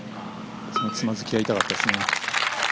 そのつまずきは痛かったですね。